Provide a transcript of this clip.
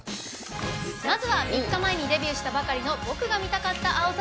まずは、３日前にデビューしたばかりの僕が見たかった青空。